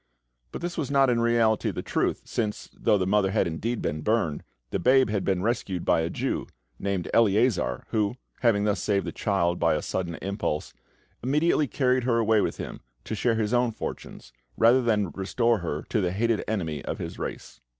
But this was not in reality the truth, since, though the mother had indeed been burned, the babe had been rescued by a Jew, named Eleazar, who, having thus saved the child by a sudden impulse, immediately carried her away with him to share his own fortunes, rather than restore her to the hated enemy of his race.